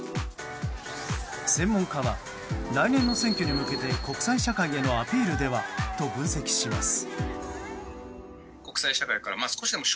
専門家は来年の選挙に向けて国際社会へのアピールではと分析します。